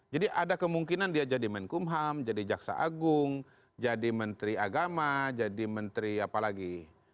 jadi ada kemungkinan dia jadi menkum ham jadi jaksa agung jadi menteri agama jadi menteri apalagi